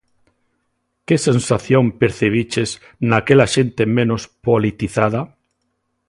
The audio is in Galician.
Que sensación percibiches naquela xente menos politizada?